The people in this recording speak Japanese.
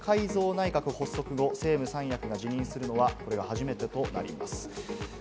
内閣発足後、政務三役が辞任するのは、これが初めてとなります。